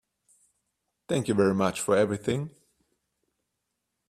Thank you very much for everything.